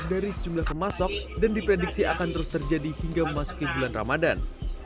dari sejumlah pemasok dan diprediksi akan terus terjadi hingga memasuki bulan ramadan